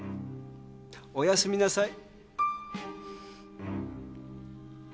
おやすみなさい。